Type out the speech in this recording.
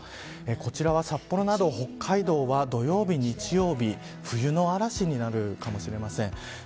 こちらは札幌など北海道では土曜日、日曜日冬の嵐になるかもしれません。